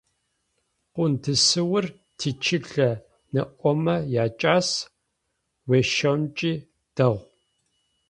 Къундысыур тичылэ ныомэ якӏас, уешъонкӏи дэгъу.